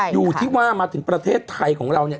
อยู่ที่ว่ามาถึงประเทศไทยของเราเนี่ย